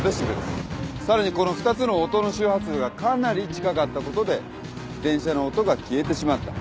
さらにこの２つの音の周波数がかなり近かったことで電車の音が消えてしまった。